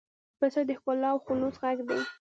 پسه د ښکلا او خلوص غږ دی.